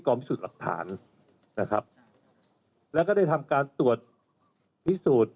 กรมพิศูดหลักฐานนะครับแล้วก็ได้ทำการตรวจพิศูด